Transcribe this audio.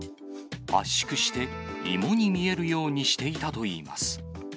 圧縮して芋に見えるようにしていたといいます。